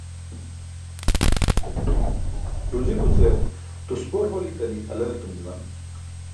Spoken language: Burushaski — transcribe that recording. Ruzikuce tuspor holi tali halel etum juwan.